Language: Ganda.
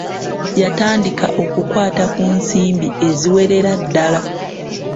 Yatandika okukwata ku nsimbi eziwerera ddala.